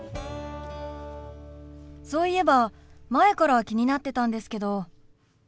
そういえば前から気になってたんですけど。